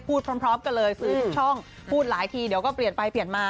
พร้อมกันเลยสื่อทุกช่องพูดหลายทีเดี๋ยวก็เปลี่ยนไปเปลี่ยนมา